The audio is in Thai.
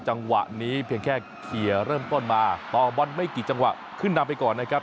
จังหวะนี้เพียงแค่เคลียร์เริ่มต้นมาต่อบอลไม่กี่จังหวะขึ้นนำไปก่อนนะครับ